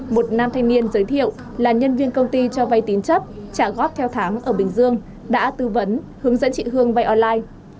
một nam thanh niên giới thiệu là nhân viên công ty cho vay tín chấp trả góp theo tháng ở bình dương đã tư vấn hướng dẫn chị hương vay online